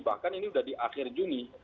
bahkan ini sudah di akhir juni